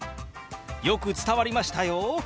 よく伝わりましたよ！